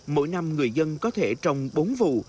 mỗi năm người dân có thể trồng bốn vụ